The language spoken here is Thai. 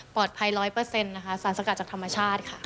เปอร์ดภัย๑๐๐นะคะสารสังผัสจากธรรมชาติข่าว